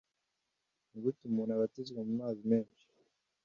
Ni gute umuntu abatizwa mu mazi menshi